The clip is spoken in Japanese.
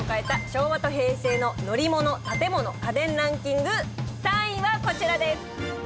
昭和と平成の乗り物・建物・家電ランキング３位はこちらです。